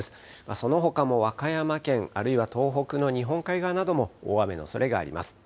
そのほかも和歌山県、あるいは東北の日本海側なども大雨のおそれがあります。